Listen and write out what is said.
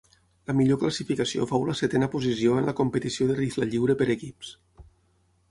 La millor classificació fou la setena posició en la competició de rifle lliure per equips.